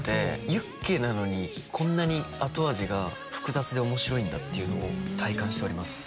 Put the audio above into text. ユッケなのにこんなに後味が複雑で面白いんだっていうのを体感しております。